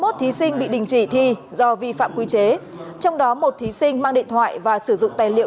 hai mươi một thí sinh bị đình chỉ thi do vi phạm quy chế trong đó một thí sinh mang điện thoại và sử dụng tài liệu